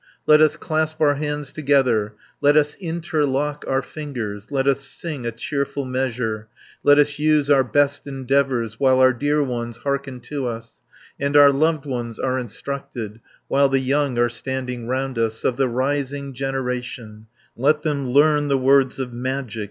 20 Let us clasp our hands together, Let us interlock our fingers; Let us sing a cheerful measure, Let us use our best endeavours, While our dear ones hearken to us, And our loved ones are instructed, While the young are standing round us, Of the rising generation, Let them learn the words of magic.